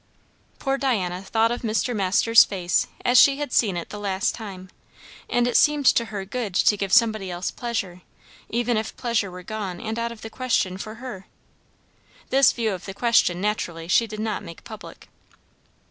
Poor Diana thought of Mr. Masters' face as she had seen it the last time; and it seemed to her good to give somebody else pleasure, even if pleasure were gone and out of the question for her. This view of the question, naturally, she did not make public.